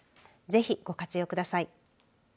ぜひ、ご活用ください。